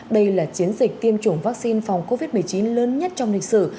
đây là chiến dịch tiêm chủng vaccine phòng covid một mươi chín lớn nhất trong lịch sử